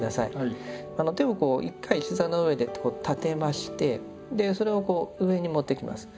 手を１回膝の上で立てましてそれを上に持っていきます。